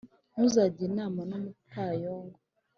Ntuzajye inama n’umupfayongo,